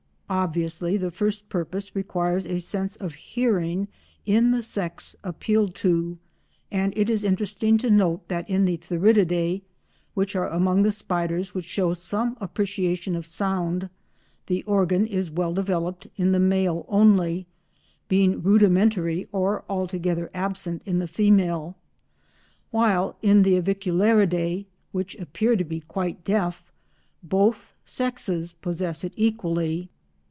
Obviously the first purpose requires a sense of hearing in the sex appealed to, and it is interesting to note that in the Theridiidae, which are among the spiders which show some appreciation of sound, the organ is well developed in the male only, being rudimentary or altogether absent in the female, while in the Aviculariidae, which appear to be quite deaf, both sexes possess it equally.